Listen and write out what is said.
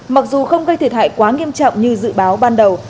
mặc dù không gây thiệt hại quá nghiêm trọng như dự báo ban đầu